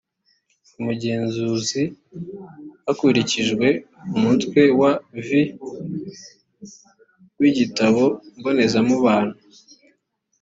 umugenzuzi hakurikijwe umutwe wa vii w’igitabo mbonezamubano